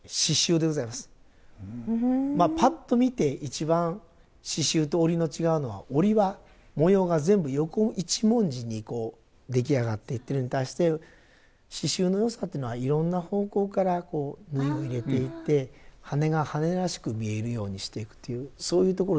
まあぱっと見て一番刺繍と織りの違うのは織りは模様が全部横一文字にこう出来上がっていってるのに対して刺繍のよさっていうのはいろんな方向から縫いを入れていって羽が羽らしく見えるようにしていくというそういうところではないかと思いますが。